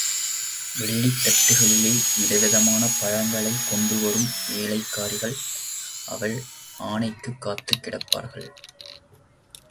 வெள்ளித் தட்டுக்களிலே விதவிதமான பழங்களைக் கொண்டு வரும் வேலைக்காரிகள் அவள் ஆணைக்குக் காத்துக் கிடப்பார்கள்.